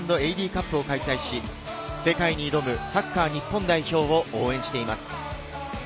カップを開催し、世界に挑むサッカー日本代表を応援しています。